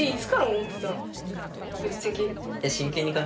ぶっちゃけ。